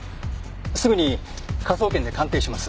すぐに科捜研で鑑定します。